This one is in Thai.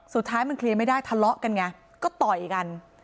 สุดท้ายมันเคลียร์ไม่ได้ทะเลาะกันไงก็ต่อยกัน